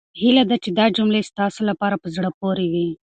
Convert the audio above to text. هيله ده چې دا جملې ستاسو لپاره په زړه پورې وي.